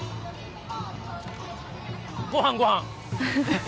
ごはん、ごはん。